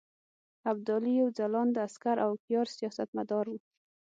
ابدالي یو ځلانده عسکر او هوښیار سیاستمدار وو.